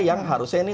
yang harusnya ini